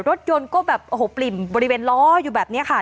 รถยนต์ก็แบบโอ้โหปริ่มบริเวณล้ออยู่แบบนี้ค่ะ